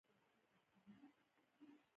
د هر ډول تخنیکي ستونزې لپاره انلاین ملاتړ شته.